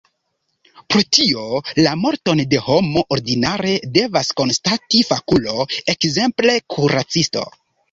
Pro tio la morton de homo ordinare devas konstati fakulo, ekzemple kuracisto.